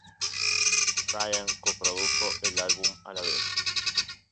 Bryan co-produjo el álbum a la vez.